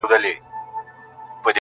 لټوي د نجات لاري او غارونه.!